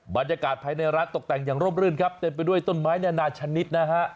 บรรยากาศภายในร้านตกแต่งอย่างร่มรื่นครับเต็มไปด้วยต้นไม้นานาชนิดนะฮะ